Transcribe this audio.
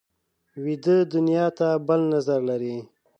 ویده دنیا ته بل نظر لري